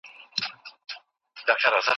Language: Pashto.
نې كومه څه يې كوم